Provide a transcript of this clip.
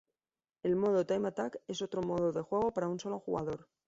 El modo Time Attack es otro modo de juego para un solo jugador.